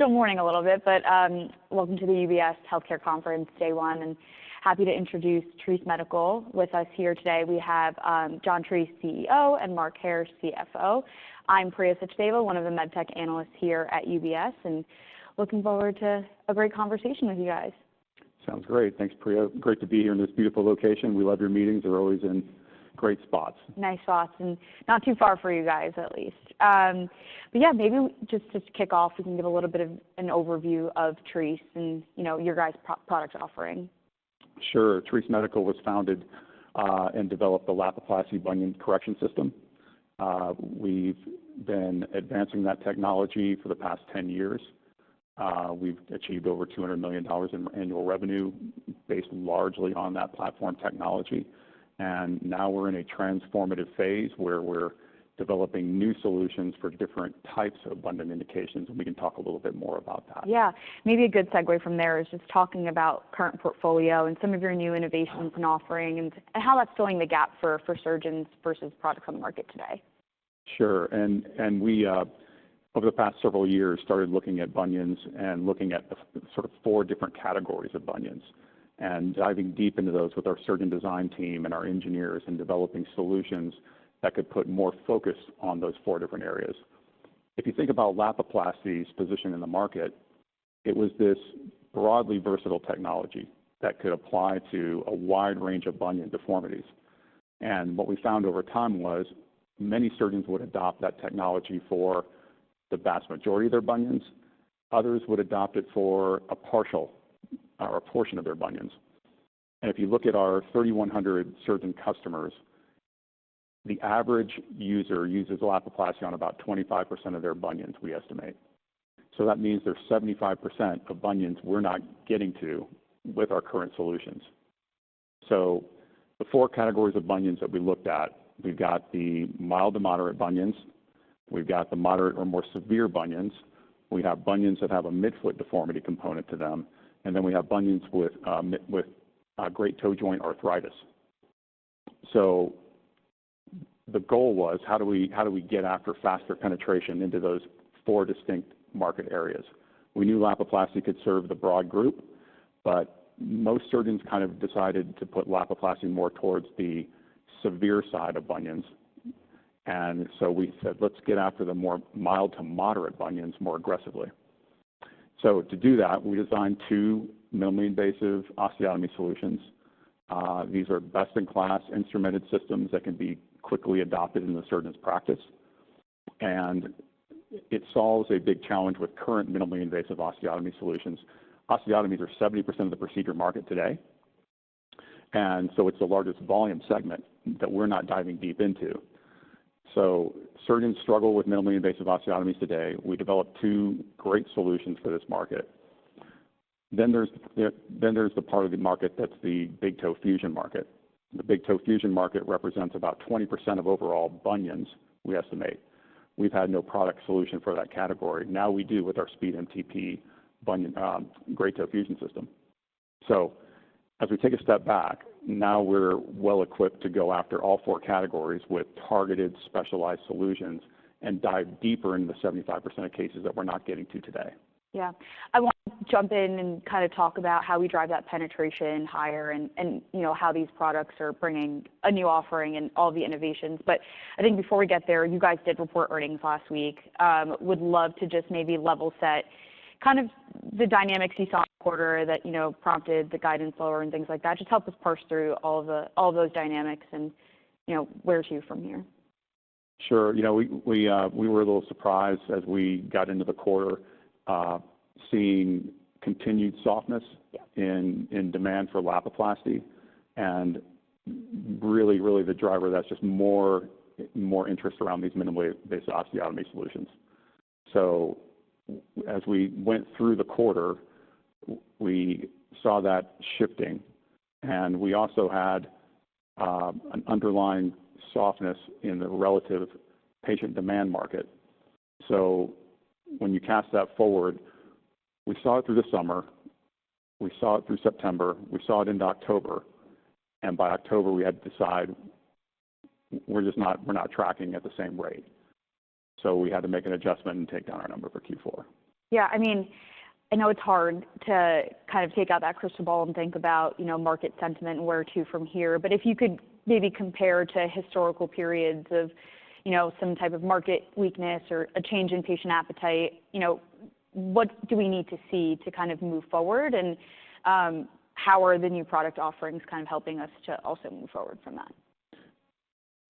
Still morning a little bit, but welcome to the UBS Healthcare Conference, Day One, and happy to introduce Treace Medical with us here today. We have John Treace, CEO, and Mark Hair, CFO. I'm Priya Sachdeva, one of the medtech analysts here at UBS, and looking forward to a great conversation with you guys. Sounds great. Thanks, Priya. Great to be here in this beautiful location. We love your meetings. They're always in great spots. Nice spots, and not too far for you guys, at least. But yeah, maybe just to kick off, we can give a little bit of an overview of Treace and, you know, your guys' product offering. Sure. Treace Medical was founded, and developed the Lapiplasty Bunion Correction System. We've been advancing that technology for the past 10 years. We've achieved over $200 million in annual revenue based largely on that platform technology, and now we're in a transformative phase where we're developing new solutions for different types of bunion indications, and we can talk a little bit more about that. Yeah. Maybe a good segue from there is just talking about current portfolio and some of your new innovations and offering and, and how that's filling the gap for, for surgeons versus products on the market today? Sure. And we, over the past several years, started looking at bunions and looking at the sort of four different categories of bunions and diving deep into those with our surgeon design team and our engineers in developing solutions that could put more focus on those four different areas. If you think about Lapiplasty's position in the market, it was this broadly versatile technology that could apply to a wide range of bunion deformities. And what we found over time was many surgeons would adopt that technology for the vast majority of their bunions. Others would adopt it for a partial or a portion of their bunions. And if you look at our 3,100 surgeon customers, the average user uses Lapiplasty on about 25% of their bunions, we estimate. So that means there's 75% of bunions we're not getting to with our current solutions. So the four categories of bunions that we looked at, we've got the mild to moderate bunions. We've got the moderate or more severe bunions. We have bunions that have a midfoot deformity component to them. And then we have bunions with great toe joint arthritis. So the goal was, how do we get after faster penetration into those four distinct market areas? We knew Lapiplasty could serve the broad group, but most surgeons kind of decided to put Lapiplasty more towards the severe side of bunions. And so we said, "Let's get after the more mild to moderate bunions more aggressively." So to do that, we designed two minimally invasive osteotomy solutions. These are best-in-class instrumented systems that can be quickly adopted in the surgeon's practice. And it solves a big challenge with current minimally invasive osteotomy solutions. Osteotomies are 70% of the procedure market today. And so it's the largest volume segment that we're not diving deep into. So surgeons struggle with minimally invasive osteotomies today. We developed two great solutions for this market. Then there's the part of the market that's the big toe fusion market. The big toe fusion market represents about 20% of overall bunions, we estimate. We've had no product solution for that category. Now we do with our Speed MTP bunion, great toe fusion system. So as we take a step back, now we're well equipped to go after all four categories with targeted specialized solutions and dive deeper into the 75% of cases that we're not getting to today. Yeah. I want to jump in and kind of talk about how we drive that penetration higher and, you know, how these products are bringing a new offering and all the innovations. But I think before we get there, you guys did report earnings last week. I would love to just maybe level set kind of the dynamics you saw in the quarter that, you know, prompted the guidance lower and things like that. Just help us parse through all those dynamics and, you know, where to from here? Sure. You know, we were a little surprised as we got into the quarter, seeing continued softness in demand for Lapiplasty and really the driver. That's just more interest around these minimally invasive osteotomy solutions. So as we went through the quarter, we saw that shifting. And we also had an underlying softness in the relative patient demand market. So when you cast that forward, we saw it through the summer. We saw it through September. We saw it into October. And by October, we had to decide, "We're just not tracking at the same rate." So we had to make an adjustment and take down our number for Q4. Yeah. I mean, I know it's hard to kind of take out that crystal ball and think about, you know, market sentiment and where to from here. But if you could maybe compare to historical periods of, you know, some type of market weakness or a change in patient appetite, you know, what do we need to see to kind of move forward? And how are the new product offerings kind of helping us to also move forward from that?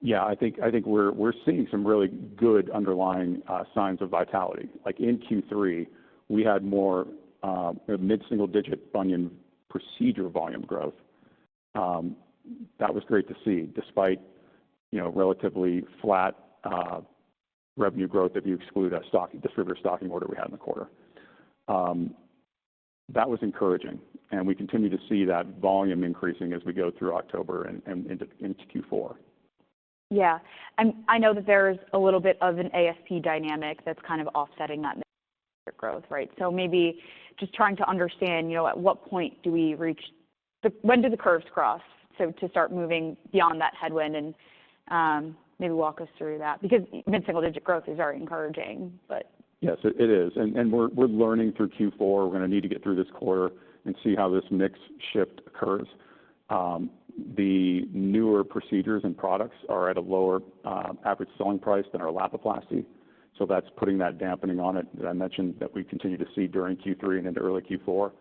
Yeah. I think we're seeing some really good underlying signs of vitality. Like in Q3, we had mid-single-digit bunion procedure volume growth. That was great to see despite you know relatively flat revenue growth if you exclude our stock distributor stocking order we had in the quarter. That was encouraging, and we continue to see that volume increasing as we go through October and into Q4. Yeah. I know that there's a little bit of an ASP dynamic that's kind of offsetting that growth, right? So maybe just trying to understand, you know, at what point do we reach the when do the curves cross? So to start moving beyond that headwind and, maybe walk us through that. Because mid-single-digit growth is very encouraging, but. Yes, it is. And we're learning through Q4. We're going to need to get through this quarter and see how this mix shift occurs. The newer procedures and products are at a lower average selling price than our Lapiplasty. So that's putting that dampening on it that I mentioned that we continue to see during Q3 and into early Q4.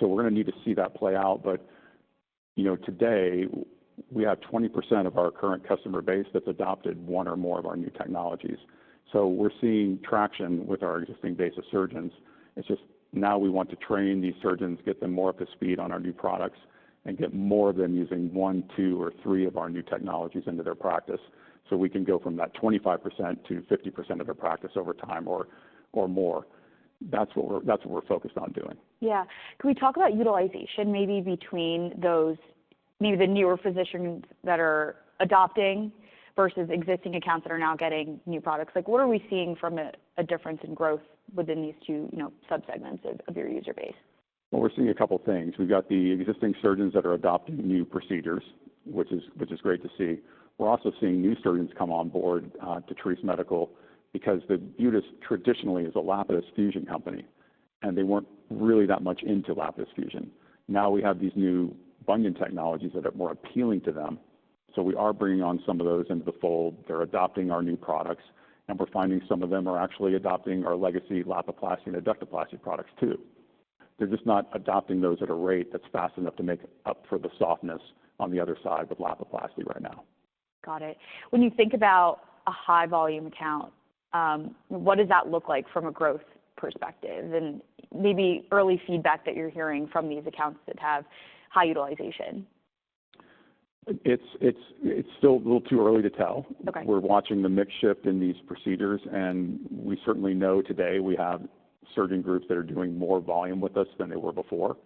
So we're going to need to see that play out. But, you know, today we have 20% of our current customer base that's adopted one or more of our new technologies. So we're seeing traction with our existing base of surgeons. It's just now we want to train these surgeons, get them more up to speed on our new products, and get more of them using one, two, or three of our new technologies into their practice so we can go from that 25% to 50% of their practice over time or more. That's what we're focused on doing. Yeah. Can we talk about utilization maybe between those the newer physicians that are adopting versus existing accounts that are now getting new products? Like what are we seeing from a difference in growth within these two, you know, subsegments of your user base? We're seeing a couple of things. We've got the existing surgeons that are adopting new procedures, which is great to see. We're also seeing new surgeons come on board to Treace Medical because the podiatrists traditionally is a Lapidus fusion company, and they weren't really that much into Lapidus fusion. Now we have these new bunion technologies that are more appealing to them. So we are bringing on some of those into the fold. They're adopting our new products, and we're finding some of them are actually adopting our legacy Lapiplasty and Adductoplasty products too. They're just not adopting those at a rate that's fast enough to make up for the softness on the other side with Lapiplasty right now. Got it. When you think about a high-volume account, what does that look like from a growth perspective and maybe early feedback that you're hearing from these accounts that have high utilization? It's still a little too early to tell. Okay. We're watching the mix shift in these procedures. And we certainly know today we have surgeon groups that are doing more volume with us than they were before.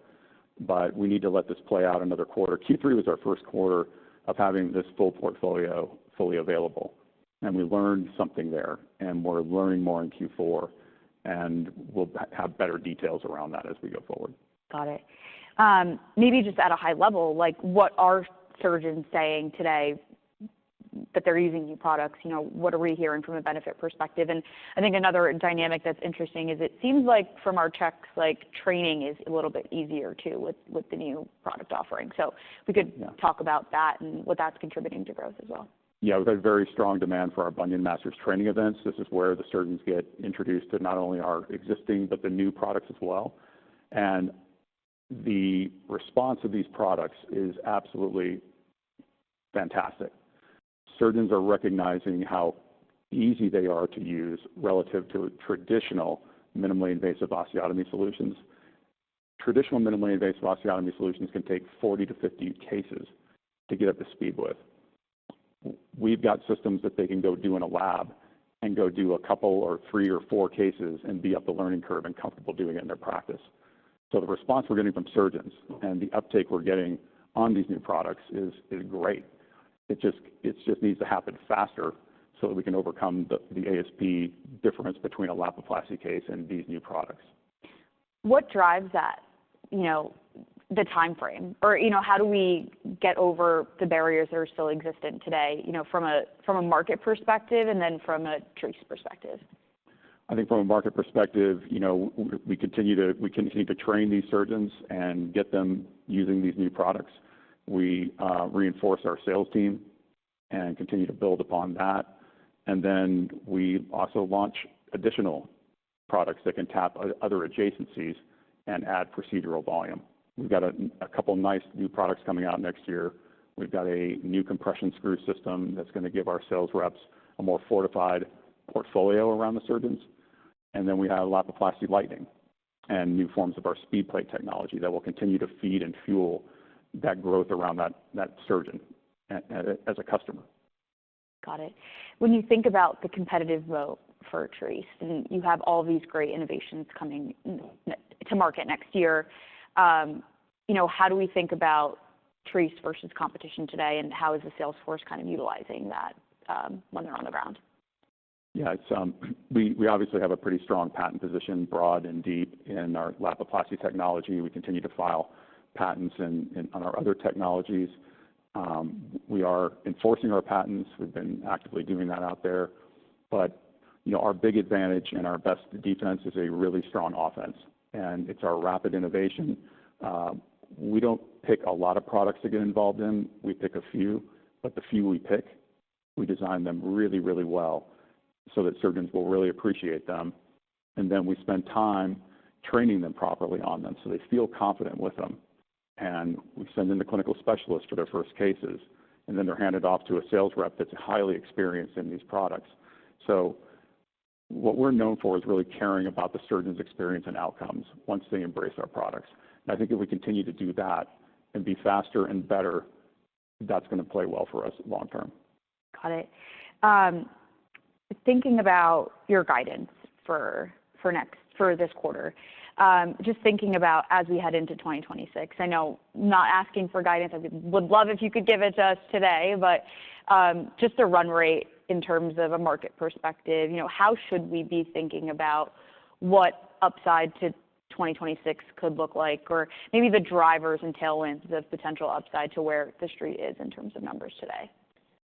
But we need to let this play out another quarter. Q3 was our first quarter of having this full portfolio fully available. And we learned something there, and we're learning more in Q4. And we'll have better details around that as we go forward. Got it. Maybe just at a high level, like what are surgeons saying today that they're using new products? You know, what are we hearing from a benefit perspective? And I think another dynamic that's interesting is it seems like from our checks, like training is a little bit easier too with the new product offering. So if we could talk about that and what that's contributing to growth as well. Yeah. We've had very strong demand for our Bunion Masters training events. This is where the surgeons get introduced to not only our existing but the new products as well, and the response of these products is absolutely fantastic. Surgeons are recognizing how easy they are to use relative to traditional minimally invasive osteotomy solutions. Traditional minimally invasive osteotomy solutions can take 40-50 cases to get up to speed with. We've got systems that they can go do in a lab and go do a couple or three or four cases and be up the learning curve and comfortable doing it in their practice. So the response we're getting from surgeons and the uptake we're getting on these new products is great. It just needs to happen faster so that we can overcome the ASP difference between a Lapiplasty case and these new products. What drives that, you know, the timeframe or, you know, how do we get over the barriers that are still existent today, you know, from a market perspective and then from a Treace perspective? I think from a market perspective, you know, we continue to train these surgeons and get them using these new products. We reinforce our sales team and continue to build upon that. And then we also launch additional products that can tap other adjacencies and add procedural volume. We've got a couple of nice new products coming out next year. We've got a new compression screw system that's going to give our sales reps a more fortified portfolio around the surgeons. And then we have Lapiplasty Lightning and new forms of our SpeedPlate technology that will continue to feed and fuel that growth around that surgeon as a customer. Got it. When you think about the competitive moat for Treace and you have all these great innovations coming to market next year, you know, how do we think about Treace versus competition today and how is the sales force kind of utilizing that, when they're on the ground? Yeah. It's, we obviously have a pretty strong patent position broad and deep in our Lapiplasty technology. We continue to file patents and on our other technologies. We are enforcing our patents. We've been actively doing that out there, but you know, our big advantage and our best defense is a really strong offense, and it's our rapid innovation. We don't pick a lot of products to get involved in. We pick a few, but the few we pick, we design them really, really well so that surgeons will really appreciate them. And then we spend time training them properly on them so they feel confident with them. And we send in the clinical specialist for their first cases, and then they're handed off to a sales rep that's highly experienced in these products. So what we're known for is really caring about the surgeon's experience and outcomes once they embrace our products. And I think if we continue to do that and be faster and better, that's going to play well for us long term. Got it. Thinking about your guidance for next quarter, just thinking about as we head into 2026, I know I'm not asking for guidance. I would love if you could give it to us today. But just the run rate in terms of a market perspective, you know, how should we be thinking about what upside to 2026 could look like or maybe the drivers and tailwinds of potential upside to where the street is in terms of numbers today?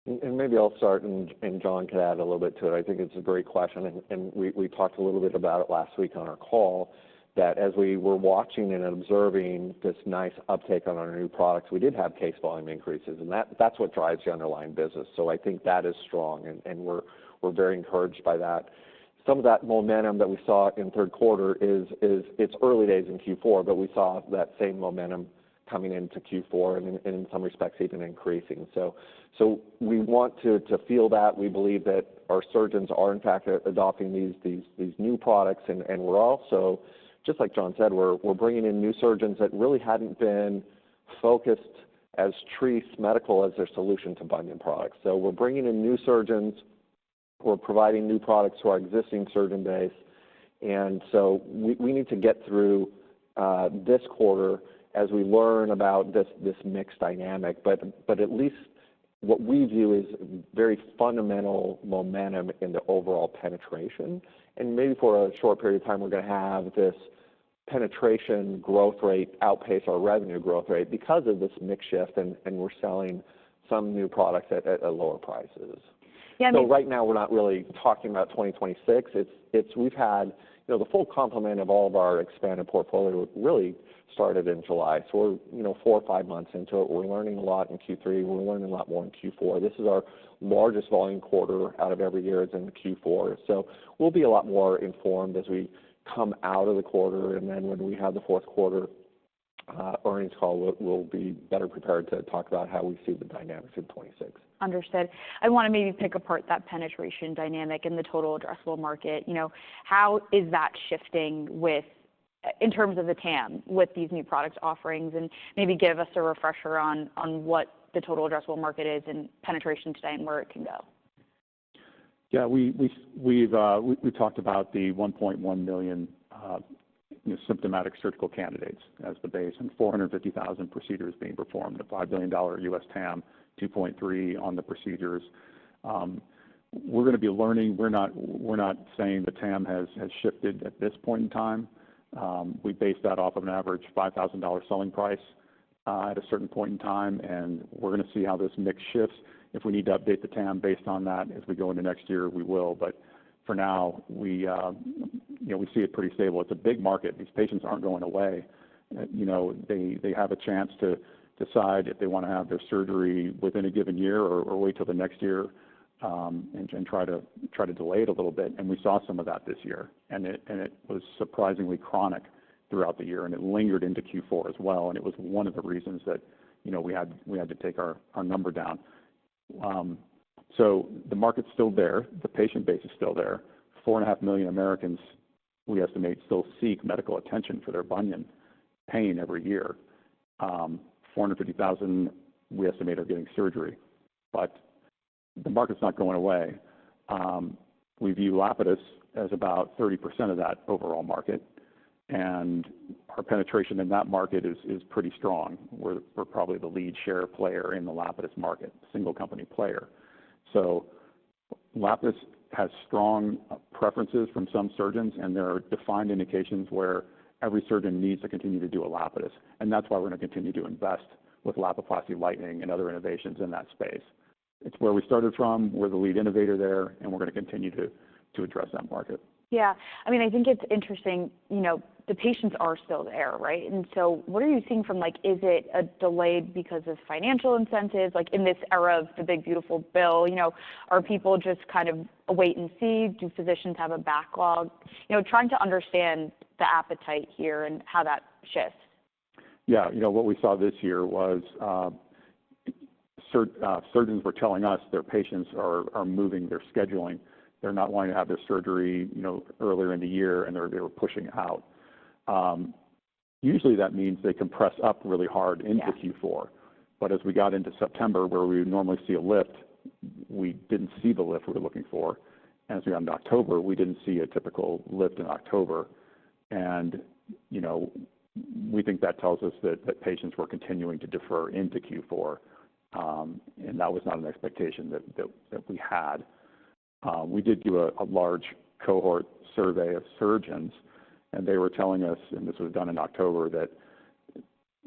Maybe I'll start and John could add a little bit to it. I think it's a great question. We talked a little bit about it last week on our call that as we were watching and observing this nice uptake on our new products, we did have case volume increases. That's what drives the underlying business. I think that is strong. We're very encouraged by that. Some of that momentum that we saw in third quarter is. It's early days in Q4, but we saw that same momentum coming into Q4 and in some respects even increasing. We want to feel that. We believe that our surgeons are, in fact, adopting these new products. And we're also just like John said, we're bringing in new surgeons that really hadn't been focused on Treace Medical as their solution to bunion products. So we're bringing in new surgeons. We're providing new products to our existing surgeon base. And so we need to get through this quarter as we learn about this mixed dynamic. But at least what we view is very fundamental momentum in the overall penetration. And maybe for a short period of time, we're going to have this penetration growth rate outpace our revenue growth rate because of this mix shift. And we're selling some new products at lower prices. Yeah. So right now we're not really talking about 2026. It's we've had, you know, the full complement of all of our expanded portfolio really started in July. So we're, you know, four or five months into it. We're learning a lot in Q3. We're learning a lot more in Q4. This is our largest volume quarter out of every year is in Q4. So we'll be a lot more informed as we come out of the quarter. And then when we have the fourth quarter earnings call, we'll be better prepared to talk about how we see the dynamics in 2026. Understood. I want to maybe pick apart that penetration dynamic in the total addressable market. You know, how is that shifting in terms of the TAM with these new product offerings and maybe give us a refresher on what the total addressable market is and penetration today and where it can go? Yeah. We've talked about the 1.1 million, you know, symptomatic surgical candidates as the base and 450,000 procedures being performed, a $5 billion US TAM, 2.3 on the procedures. We're going to be learning. We're not saying the TAM has shifted at this point in time. We based that off of an average $5,000 selling price, at a certain point in time, and we're going to see how this mix shifts. If we need to update the TAM based on that as we go into next year, we will, but for now, we, you know, we see it pretty stable. It's a big market. These patients aren't going away. You know, they have a chance to decide if they want to have their surgery within a given year or wait till the next year, and try to delay it a little bit, and we saw some of that this year, and it was surprisingly chronic throughout the year, and it lingered into Q4 as well, and it was one of the reasons that, you know, we had to take our number down, so the market's still there. The patient base is still there. 4.5 million Americans, we estimate, still seek medical attention for their bunion pain every year. 450,000, we estimate, are getting surgery. But the market's not going away. We view Lapidus as about 30% of that overall market, and our penetration in that market is pretty strong. We're probably the lead share player in the Lapidus market, single company player. So Lapidus has strong preferences from some surgeons, and there are defined indications where every surgeon needs to continue to do a Lapidus. And that's why we're going to continue to invest with Lapiplasty Lightning and other innovations in that space. It's where we started from. We're the lead innovator there, and we're going to continue to address that market. Yeah. I mean, I think it's interesting, you know, the patients are still there, right? And so what are you seeing from, like, is it a delay because of financial incentives? Like in this era of the big beautiful bill, you know, are people just kind of wait and see? Do physicians have a backlog? You know, trying to understand the appetite here and how that shifts. Yeah. You know, what we saw this year was surgeons were telling us their patients are moving their scheduling. They're not wanting to have their surgery, you know, earlier in the year, and they were pushing out. Usually that means they compress up really hard into Q4, but as we got into September, where we would normally see a lift, we didn't see the lift we were looking for, and as we got into October, we didn't see a typical lift in October, and you know, we think that tells us that patients were continuing to defer into Q4, and that was not an expectation that we had. We did a large cohort survey of surgeons, and they were telling us, and this was done in October, that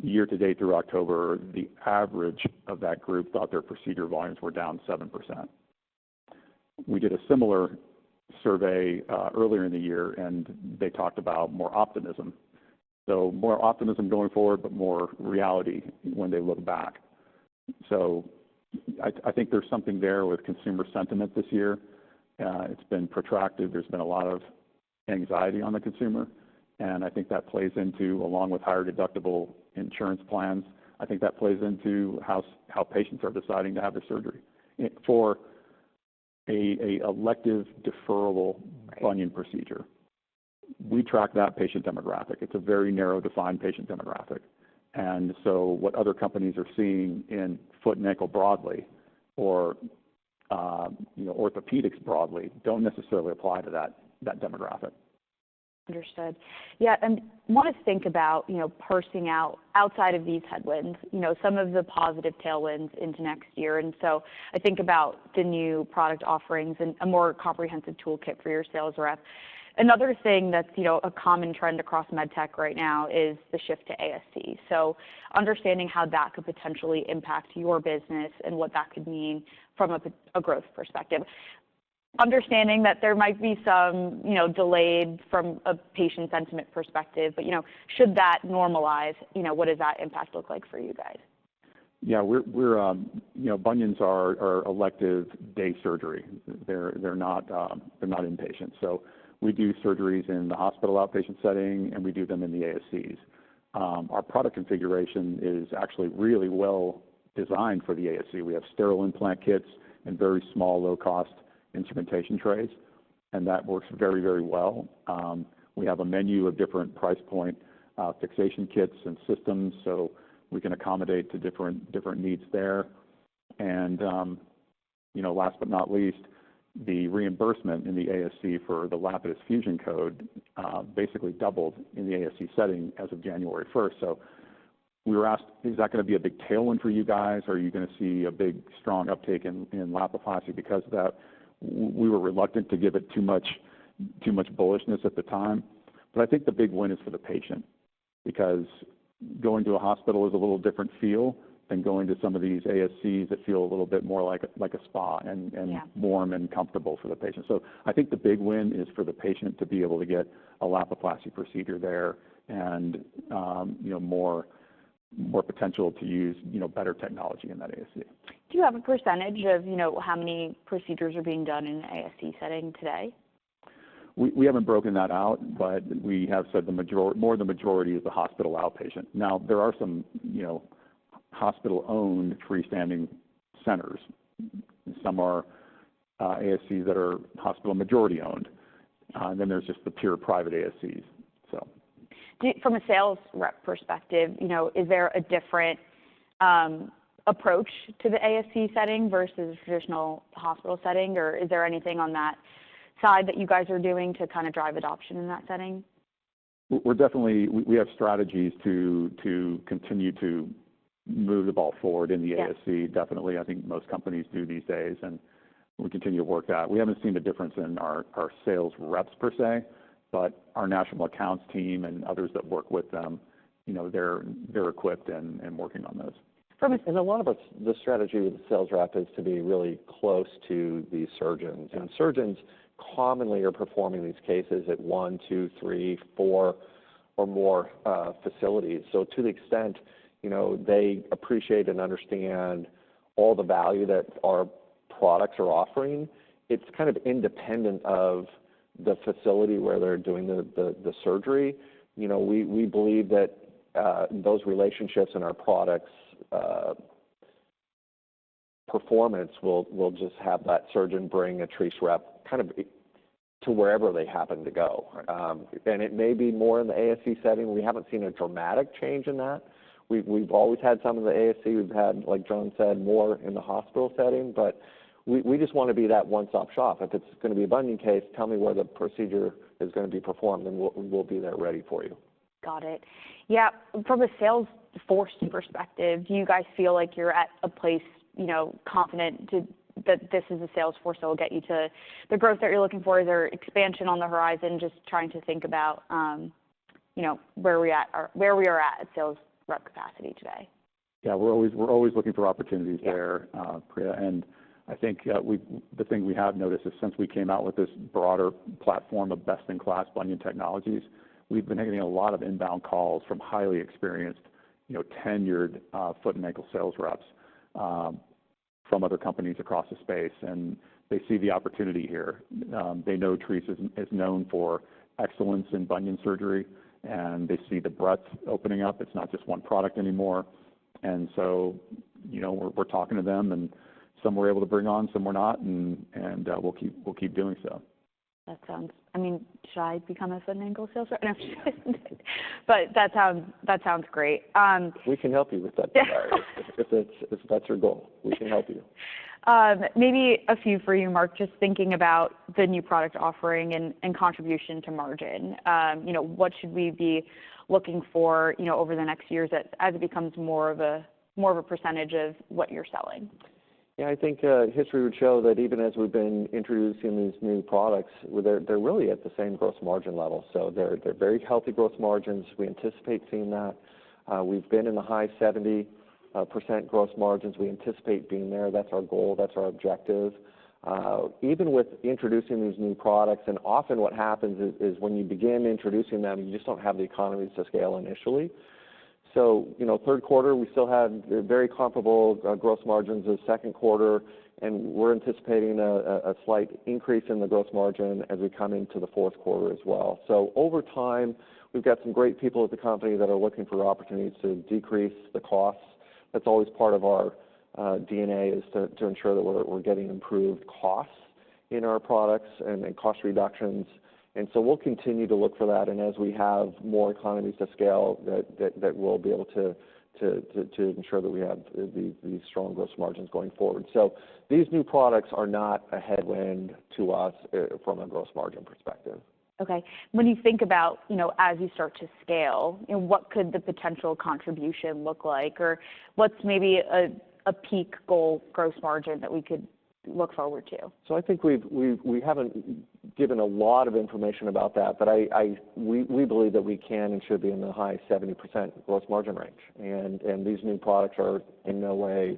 year to date through October, the average of that group thought their procedure volumes were down 7%. We did a similar survey earlier in the year, and they talked about more optimism, so more optimism going forward, but more reality when they look back, so I think there's something there with consumer sentiment this year. It's been protracted. There's been a lot of anxiety on the consumer, and I think that plays into, along with higher deductible insurance plans, I think that plays into how patients are deciding to have their surgery. For an elective deferrable bunion procedure, we track that patient demographic. It's a very narrow defined patient demographic. And so, what other companies are foot and ankle broadly, or, you know, orthopedics broadly, don't necessarily apply to that demographic. Understood. Yeah. And want to think about, you know, parsing out, outside of these headwinds, you know, some of the positive tailwinds into next year. And so I think about the new product offerings and a more comprehensive toolkit for your sales rep. Another thing that's, you know, a common trend across med tech right now is the shift to ASC. So understanding how that could potentially impact your business and what that could mean from a growth perspective. Understanding that there might be some, you know, delay from a patient sentiment perspective. But, you know, should that normalize, you know, what does that impact look like for you guys? Yeah. We're, you know, bunions are elective day surgery. They're not inpatient. So we do surgeries in the hospital outpatient setting, and we do them in the ASCs. Our product configuration is actually really well designed for the ASC. We have sterile implant kits and very small low-cost instrumentation trays, and that works very well. We have a menu of different price point fixation kits and systems, so we can accommodate to different needs there. And, you know, last but not least, the reimbursement in the ASC for the Lapidus fusion code basically doubled in the ASC setting as of January 1st. So we were asked, is that going to be a big tailwind for you guys? Are you going to see a big strong uptake in Lapiplasty because of that? We were reluctant to give it too much bullishness at the time. But I think the big win is for the patient because going to a hospital is a little different feel than going to some of these ASCs that feel a little bit more like a spa and warm and comfortable for the patient. So I think the big win is for the patient to be able to get a Lapiplasty procedure there and, you know, more potential to use, you know, better technology in that ASC. Do you have a percentage of, you know, how many procedures are being done in an ASC setting today? We haven't broken that out, but we have said the major more than the majority is the hospital outpatient. Now, there are some, you know, hospital-owned freestanding centers. Some are ASCs that are hospital majority owned. And then there's just the pure private ASCs. So. Do you, from a sales rep perspective, you know, is there a different approach to the ASC setting versus a traditional hospital setting? Or is there anything on that side that you guys are doing to kind of drive adoption in that setting? We're definitely. We have strategies to continue to move the ball forward in the ASC, definitely. I think most companies do these days, and we continue to work that. We haven't seen a difference in our sales reps per se, but our national accounts team and others that work with them, you know, they're equipped and working on those. A lot of the strategy with the sales rep is to be really close to the surgeons, and surgeons commonly are performing these cases at one, two, three, four, or more facilities. To the extent, you know, they appreciate and understand all the value that our products are offering, it's kind of independent of the facility where they're doing the surgery. You know, we believe that those relationships and our products' performance will just have that surgeon bring a Treace rep kind of to wherever they happen to go. It may be more in the ASC setting. We haven't seen a dramatic change in that. We've always had some in the ASC. We've had, like John said, more in the hospital setting. But we just want to be that one-stop shop. If it's going to be a bunion case, tell me where the procedure is going to be performed, and we'll be there ready for you. Got it. Yeah. From a sales force perspective, do you guys feel like you're at a place, you know, confident that this is a sales force that will get you to the growth that you're looking for? Is there expansion on the horizon? Just trying to think about, you know, where we are at sales rep capacity today. Yeah. We're always, we're always looking for opportunities there, Priya. And I think the thing we have noticed is since we came out with this broader platform of best-in-class bunion technologies, we've been getting a lot of inbound calls from highly experienced, you foot and ankle sales reps from other companies across the space. And they see the opportunity here. They know Treace is known for excellence in bunion surgery, and they see the breadth opening up. It's not just one product anymore. And so, you know, we're talking to them, and some we're able to bring on, some we're not. And we'll keep doing so. That sounds, I mean, should I foot and ankle sales rep? No, but that sounds great. We can help you with that desire if that's your goal. We can help you. Maybe a few for you, Mark, just thinking about the new product offering and contribution to margin. You know, what should we be looking for, you know, over the next years as it becomes more of a percentage of what you're selling? Yeah. I think history would show that even as we've been introducing these new products, they're really at the same gross margin level. So they're very healthy gross margins. We anticipate seeing that. We've been in the high 70% gross margins. We anticipate being there. That's our goal. That's our objective. Even with introducing these new products, and often what happens is when you begin introducing them, you just don't have the economies to scale initially. So, you know, third quarter, we still have very comparable gross margins as second quarter, and we're anticipating a slight increase in the gross margin as we come into the fourth quarter as well. So over time, we've got some great people at the company that are looking for opportunities to decrease the costs. That's always part of our DNA is to ensure that we're getting improved costs in our products and cost reductions. And so we'll continue to look for that. And as we have more economies of scale, that we'll be able to ensure that we have these strong gross margins going forward. So these new products are not a headwind to us from a gross margin perspective. Okay. When you think about, you know, as you start to scale, you know, what could the potential contribution look like? Or what's maybe a peak goal gross margin that we could look forward to? So I think we haven't given a lot of information about that, but we believe that we can and should be in the high 70% gross margin range. And these new products are in no way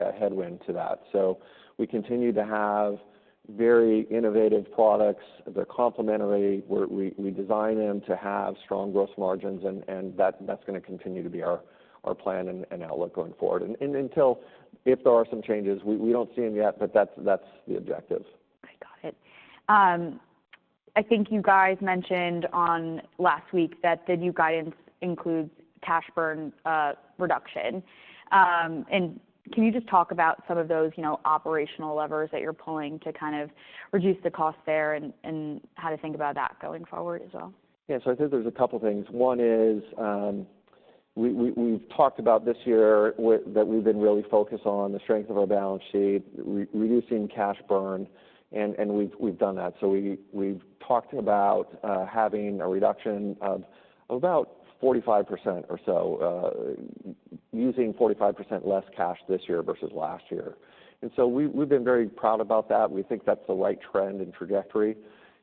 a headwind to that. So we continue to have very innovative products. They're complementary where we design them to have strong gross margins, and that's going to continue to be our plan and outlook going forward. And until if there are some changes, we don't see them yet, but that's the objective. I got it. I think you guys mentioned on last week that the new guidance includes cash burn reduction, and can you just talk about some of those, you know, operational levers that you're pulling to kind of reduce the cost there and how to think about that going forward as well? Yeah. So I think there's a couple of things. One is, we've talked about this year that we've been really focused on the strength of our balance sheet, reducing cash burn, and we've done that. So we've talked about having a reduction of about 45% or so, using 45% less cash this year versus last year. And so we've been very proud about that. We think that's the right trend and trajectory.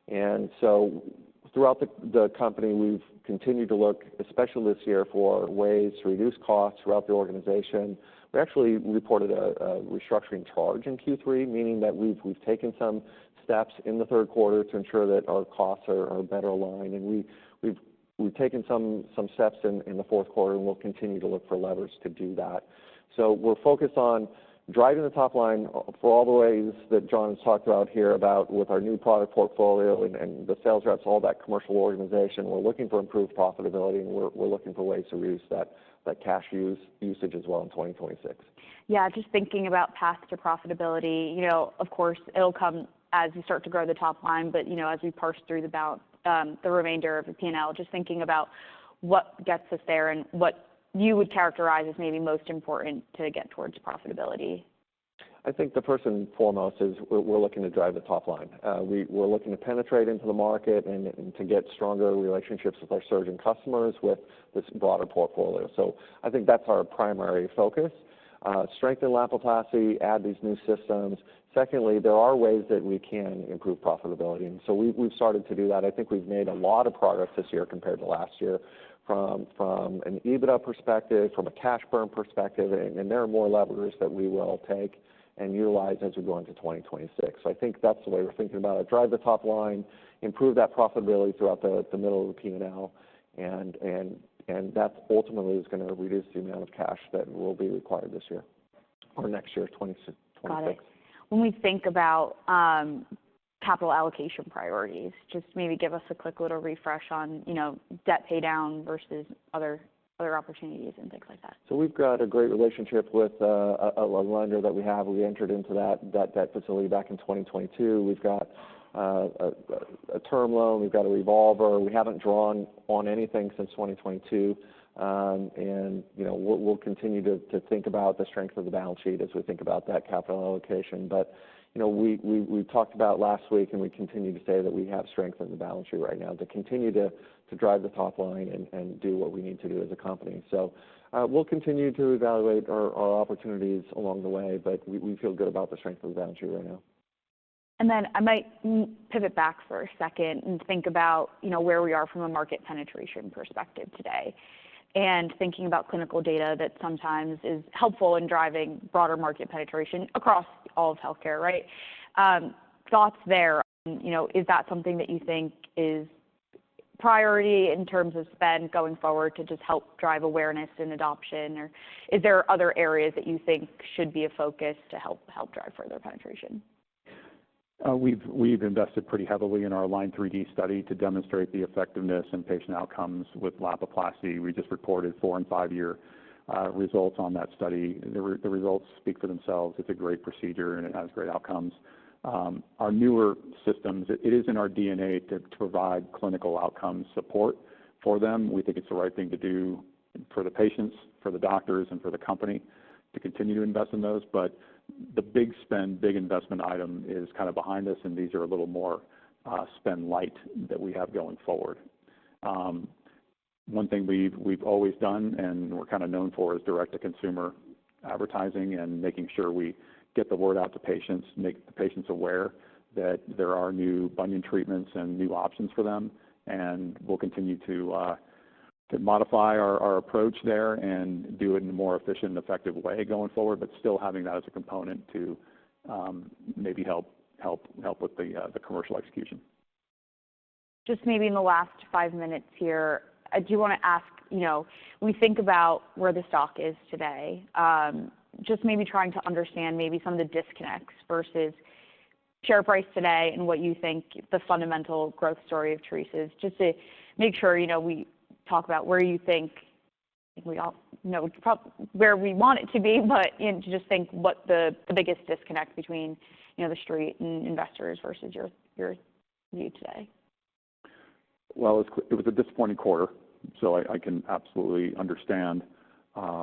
And so throughout the company, we've continued to look, especially this year, for ways to reduce costs throughout the organization. We actually reported a restructuring charge in Q3, meaning that we've taken some steps in the third quarter to ensure that our costs are better aligned. We've taken some steps in the fourth quarter, and we'll continue to look for levers to do that. We're focused on driving the top line in all the ways that John has talked about here with our new product portfolio and the sales reps, all that commercial organization. We're looking for improved profitability, and we're looking for ways to reduce that cash usage as well in 2026. Yeah. Just thinking about paths to profitability, you know, of course, it'll come as you start to grow the top line. But, you know, as we parse through the balance, the remainder of the P&L, just thinking about what gets us there and what you would characterize as maybe most important to get towards profitability. I think the first and foremost is we're looking to drive the top line. We're looking to penetrate into the market and to get stronger relationships with our surgeon customers with this broader portfolio. So I think that's our primary focus: strengthen Lapiplasty, add these new systems. Secondly, there are ways that we can improve profitability. And so we've started to do that. I think we've made a lot of progress this year compared to last year from an EBITDA perspective, from a cash burn perspective. And there are more levers that we will take and utilize as we go into 2026. So I think that's the way we're thinking about it: drive the top line, improve that profitability throughout the middle of the P&L. That ultimately is going to reduce the amount of cash that will be required this year or next year, 2026. Got it. When we think about capital allocation priorities, just maybe give us a quick little refresh on, you know, debt pay down versus other opportunities and things like that. So we've got a great relationship with a lender that we have. We entered into that debt facility back in 2022. We've got a term loan. We've got a revolver. We haven't drawn on anything since 2022. And you know, we'll continue to think about the strength of the balance sheet as we think about that capital allocation. But you know, we've talked about last week, and we continue to say that we have strength in the balance sheet right now to continue to drive the top line and do what we need to do as a company. So we'll continue to evaluate our opportunities along the way, but we feel good about the strength of the balance sheet right now. And then I might pivot back for a second and think about, you know, where we are from a market penetration perspective today and thinking about clinical data that sometimes is helpful in driving broader market penetration across all of healthcare, right? Thoughts there on, you know, is that something that you think is priority in terms of spend going forward to just help drive awareness and adoption? Or is there other areas that you think should be a focus to help drive further penetration? We've invested pretty heavily in our ALIGN3D study to demonstrate the effectiveness and patient outcomes with Lapiplasty. We just reported four- and five-year results on that study. The results speak for themselves. It's a great procedure, and it has great outcomes. Our newer systems, it is in our DNA to provide clinical outcomes support for them. We think it's the right thing to do for the patients, for the doctors, and for the company to continue to invest in those. But the big spend, big investment item is kind of behind us, and these are a little more spend light that we have going forward. One thing we've always done and we're kind of known for is direct-to-consumer advertising and making sure we get the word out to patients, make the patients aware that there are new bunion treatments and new options for them. We'll continue to modify our approach there and do it in a more efficient and effective way going forward, but still having that as a component to maybe help with the commercial execution. Just maybe in the last five minutes here, I do want to ask, you know, when we think about where the stock is today, just maybe trying to understand maybe some of the disconnects versus share price today and what you think the fundamental growth story of Treace is, just to make sure, you know, we talk about where you think we all know probably where we want it to be, but to just think what the biggest disconnect between, you know, the street and investors versus your view today. It was a disappointing quarter. So I can absolutely understand, you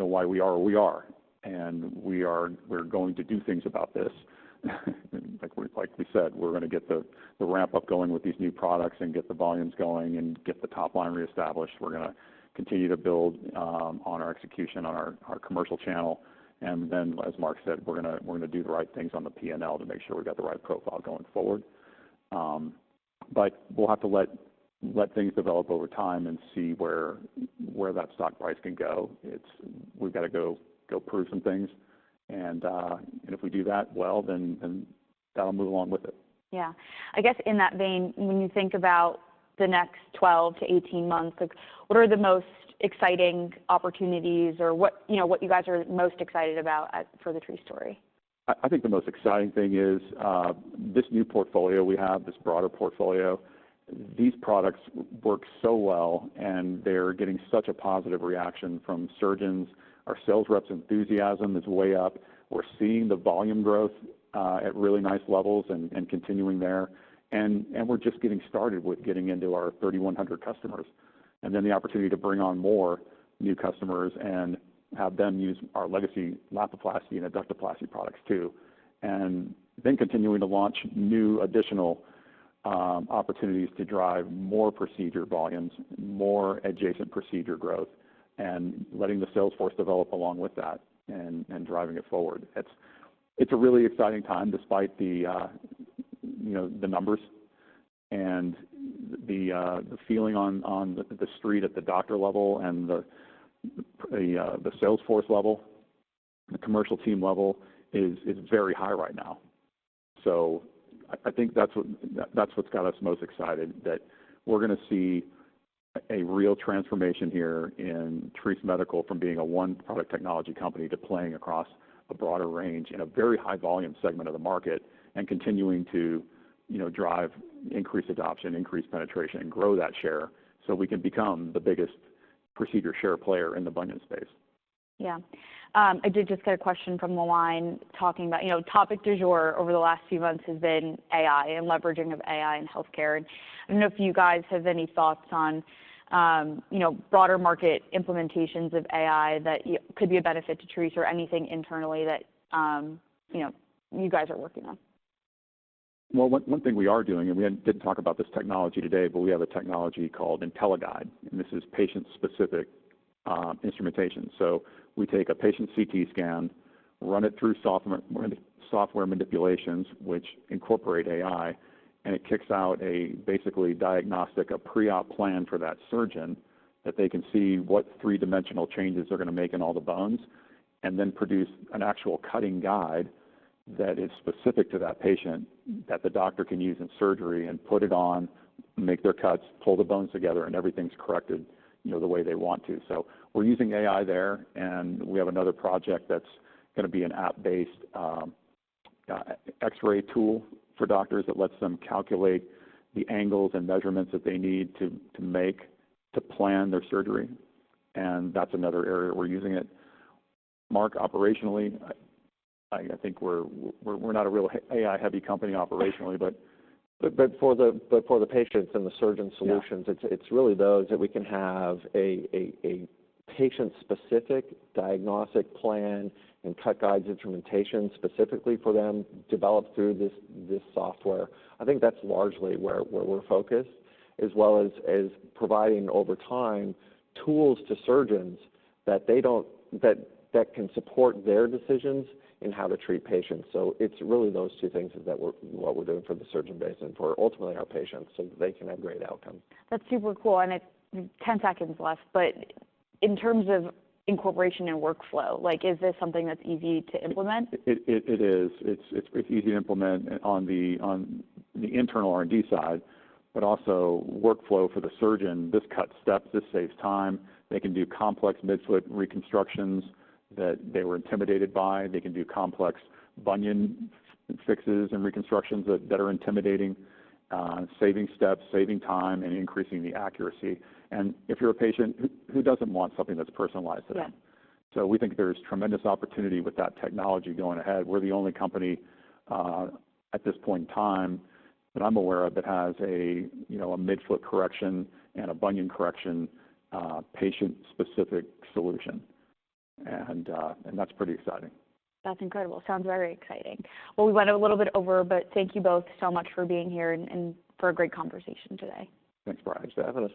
know, why we are where we are. And we are going to do things about this. Like we said, we're going to get the ramp up going with these new products and get the volumes going and get the top line reestablished. We're going to continue to build on our execution, on our commercial channel. And then, as Mark said, we're going to do the right things on the P&L to make sure we've got the right profile going forward. But we'll have to let things develop over time and see where that stock price can go. It's. We've got to prove some things. And if we do that well, then that'll move along with it. Yeah. I guess in that vein, when you think about the next 12 to 18 months, like what are the most exciting opportunities or what, you know, what you guys are most excited about for the Treace story? I think the most exciting thing is this new portfolio we have, this broader portfolio. These products work so well, and they're getting such a positive reaction from surgeons. Our sales reps' enthusiasm is way up. We're seeing the volume growth at really nice levels and continuing there. And we're just getting started with getting into our 3,100 customers and then the opportunity to bring on more new customers and have them use our legacy Lapiplasty and Adductoplasty products too, and then continuing to launch new additional opportunities to drive more procedure volumes, more adjacent procedure growth, and letting the sales force develop along with that and driving it forward. It's a really exciting time despite the, you know, the numbers and the feeling on the street at the doctor level and the sales force level, the commercial team level is very high right now. So I think that's what's got us most excited, that we're going to see a real transformation here in Treace Medical from being a one product technology company to playing across a broader range in a very high volume segment of the market and continuing to, you know, drive increased adoption, increased penetration, and grow that share so we can become the biggest procedure share player in the bunion space. Yeah. I did just get a question from the line talking about, you know, topic du jour over the last few months has been AI and leveraging of AI in healthcare, and I don't know if you guys have any thoughts on, you know, broader market implementations of AI that could be a benefit to Treace or anything internally that, you know, you guys are working on. One thing we are doing, and we didn't talk about this technology today, but we have a technology called IntelliGuide, and this is patient-specific instrumentation. So we take a patient CT scan, run it through software manipulations, which incorporate AI, and it kicks out basically a diagnostic pre-op plan for that surgeon that they can see what three-dimensional changes they're going to make in all the bones and then produce an actual cutting guide that is specific to that patient that the doctor can use in surgery and put it on, make their cuts, pull the bones together, and everything's corrected, you know, the way they want to. We're using AI there, and we have another project that's going to be an app-based X-ray tool for doctors that lets them calculate the angles and measurements that they need to make to plan their surgery. And that's another area we're using it. Mark, operationally, I think we're not a real AI-heavy company operationally, but for the patients and the surgeon solutions, it's really those that we can have a patient-specific diagnostic plan and cut guides instrumentation specifically for them developed through this software. I think that's largely where we're focused, as well as providing over time tools to surgeons that can support their decisions in how to treat patients. So it's really those two things that we're doing for the surgeon base and for ultimately our patients so that they can have great outcomes. That's super cool. And I have 10 seconds left, but in terms of incorporation and workflow, like, is this something that's easy to implement? It is. It's easy to implement on the internal R&D side, but also workflow for the surgeon. This cuts steps. This saves time. They can do complex midfoot reconstructions that they were intimidated by. They can do complex bunion fixes and reconstructions that are intimidating, saving steps, saving time, and increasing the accuracy. And if you're a patient who doesn't want something that's personalized to them? Yeah. We think there's tremendous opportunity with that technology going ahead. We're the only company, at this point in time that I'm aware of that has a, you know, a midfoot correction and a bunion correction, patient-specific solution. That's pretty exciting. That's incredible. Sounds very exciting. Well, we went a little bit over, but thank you both so much for being here and for a great conversation today. Thanks, Priya.